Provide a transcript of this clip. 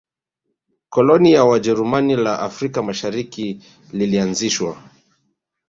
koloni la wajerumani la afrika mashariki lilianzishwa